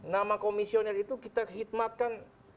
nama komisioner itu kita khidmatkan